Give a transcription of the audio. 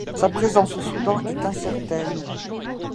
Sa présence au Soudan est incertaine.